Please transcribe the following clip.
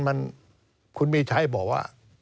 มันคุณมีชัยบอกว่า